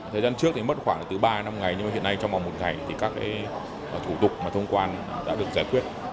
thời gian trước mất khoảng từ ba năm ngày nhưng hiện nay trong một ngày các thủ tục thông quan đã được giải quyết